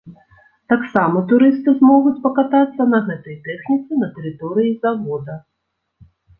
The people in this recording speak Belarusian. Таксама турысты змогуць пакатацца на гэтай тэхніцы на тэрыторыі завода.